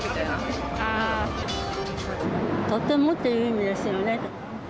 とてもっていう意味ですよね。